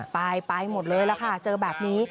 ไปไปหมดเลยล่ะค่ะเจอแบบนี้